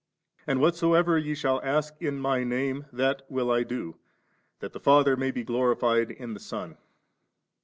And whatsoever ye shall ask in My Name, that will I do, that the Father may be glorified in the Son 4.'